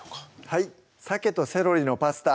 はい「鮭とセロリのパスタ」